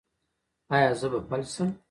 ایا زه به فلج شم؟